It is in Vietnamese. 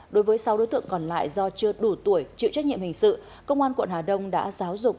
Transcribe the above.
đối với sáu đối tượng còn lại do chưa đủ tuổi chịu trách nhiệm hình sự công an quận hà đông đã giáo dục